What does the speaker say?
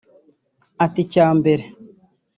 Ati “Icya mbere